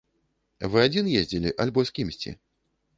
Вы адзін ездзілі альбо з кімсьці?